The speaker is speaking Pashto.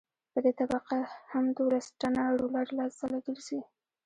په دې طبقه هم دولس ټنه رولر لس ځله ګرځي